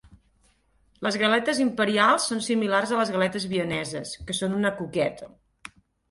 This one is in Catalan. Les galetes imperials són similars a les galetes vieneses, que són una coqueta.